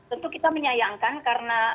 tentu kita menyayangkan karena